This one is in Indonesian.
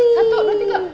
satu dua tiga